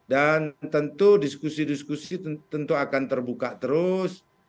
dan tentu diskusi diskusi tentu akan terbuka terus